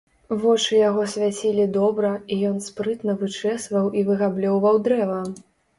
Вочы яго свяцілі добра, і ён спрытна вычэсваў і выгаблёўваў дрэва.